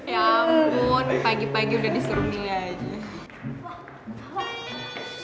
ya ampun pagi pagi udah disuruh milih aja